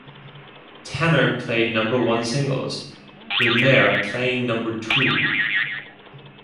Tanner played number one singles, with Mayer playing number two.